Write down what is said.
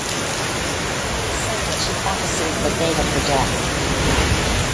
It is said that she prophesied the date of her death.